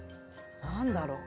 何だろう？